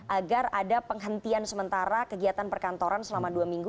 agar ada penghentian sementara kegiatan perkantoran selama dua minggu